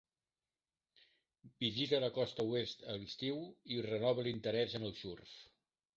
Visita la Costa Oest a l'estiu i renova l'interès en el surf.